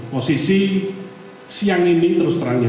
posisi siang ini terus terangnya